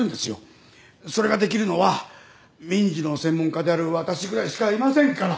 それができるのは民事の専門家である私ぐらいしかいませんから。